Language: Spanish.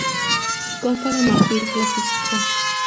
Costa de Marfil clasificó.